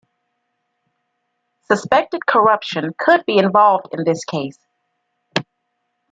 Suspected corruption could be involved in the case.